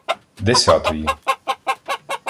Десятої